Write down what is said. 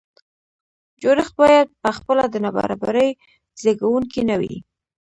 جوړښت باید په خپله د نابرابرۍ زیږوونکی نه وي.